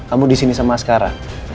kamu disini sama asqara